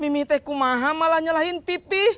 mimih teh kumaha malah nyalahin pipih